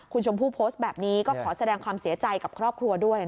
คุณชมพู่โพสต์แบบนี้ก็ขอแสดงความเสียใจกับครอบครัวด้วย